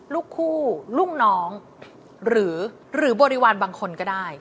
ลูกคู่ลูกน้องหรือบริวารบางคนก็ได้